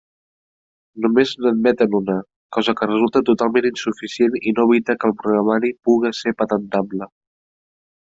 Només n'admeten una, cosa que resulta totalment insuficient i no evita que el programari puga ser patentable.